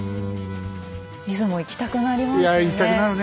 出雲行きたくなりますよね。